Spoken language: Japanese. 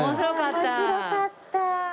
面白かった！